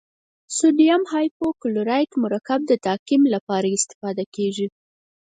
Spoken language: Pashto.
سوډیم هایپوکلورایت مرکب د تعقیم لپاره استفاده کیږي.